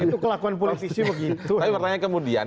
tapi pertanyaannya kemudian